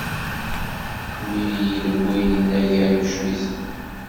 Mi iyi-d-wwin inagan ucmiten.